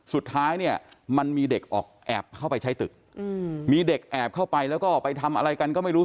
สุดท้ายเนี่ยมันมีเด็กออกแอบเข้าไปใช้ตึกมีเด็กแอบเข้าไปแล้วก็ไปทำอะไรกันก็ไม่รู้